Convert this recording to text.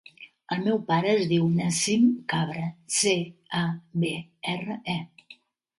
El meu pare es diu Nassim Cabre: ce, a, be, erra, e.